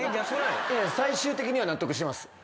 最終的には納得してます。